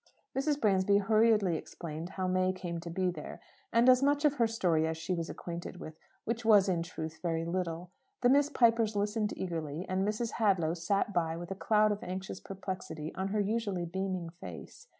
Mrs. Bransby hurriedly explained how May came to be there, and as much of her story as she was acquainted with which was, in truth, very little. The Miss Pipers listened eagerly, and Mrs. Hadlow sat by with a cloud of anxious perplexity on her usually beaming face.